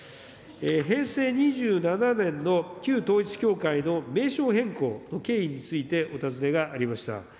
平成２７年の旧統一教会の名称変更の経緯についてお尋ねがありました。